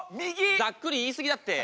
ざっくり言い過ぎだってお前